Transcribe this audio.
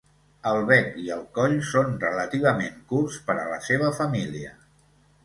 El bec i el coll són relativament curts per a la seva família.